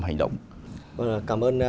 hành động cảm ơn